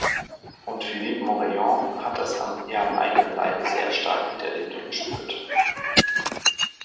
Und Philippe Morillon hat das ja am eigenen Leibe sehr stark miterlebt und gespürt.